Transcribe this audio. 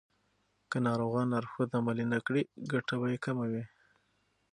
که ناروغان لارښود عملي نه کړي، ګټه به یې کمه وي.